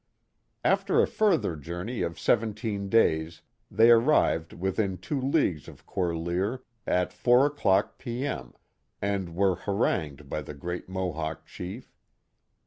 After a further journey of seventeen days they arrived within two leagues of Corlear at four o'clock P.M., and were harangued by the great Mohawk chief.